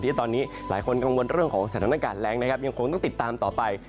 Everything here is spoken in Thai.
ที่ตอนนี้หลายคนกังวลเรื่องของสถานการณ์แรงนะครับยังคงต้องติดตามต่อไป